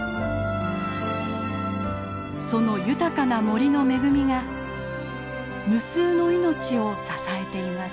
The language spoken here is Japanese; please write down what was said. その豊かな森の恵みが無数の命を支えています。